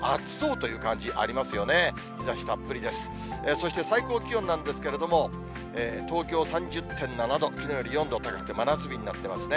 そして最高気温なんですけれども、東京３０．７度、きのうより４度高くて、真夏日になってますね。